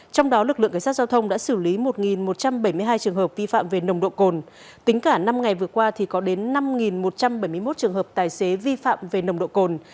trong đó lực lượng cảnh sát giao thông đã xử lý một một trăm bảy mươi hai trường hợp vi phạm về nồng độ cồn tính cả năm ngày vừa qua thì có đến năm một trăm bảy mươi một trường hợp tài xế vi phạm về nồng độ cồn